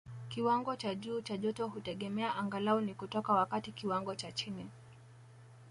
Kiwango cha juu cha joto hutegemea angalau ni kutoka wakati kiwango cha chini